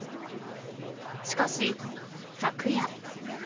しかし、昨夜。